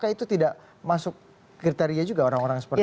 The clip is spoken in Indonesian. apakah itu tidak masuk kriteria juga orang orang seperti itu